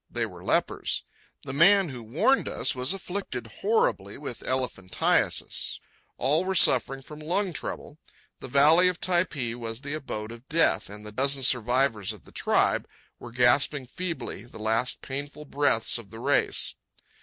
They were lepers. The man who warned us was afflicted horribly with elephantiasis. All were suffering from lung trouble. The valley of Typee was the abode of death, and the dozen survivors of the tribe were gasping feebly the last painful breaths of the race.